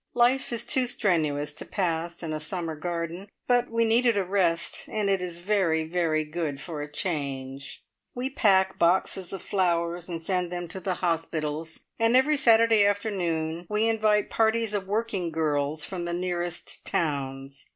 Life is too strenuous to pass in a summer garden; but we needed a rest and it is very, very good for a change. We pack boxes of flowers and send them to the hospitals, and every Saturday afternoon we invite parties of working girls from the nearest towns.